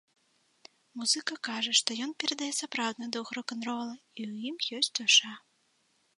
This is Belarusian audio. Музыка кажа, што ён перадае сапраўдны дух рок-н-рола і ў ім ёсць душа.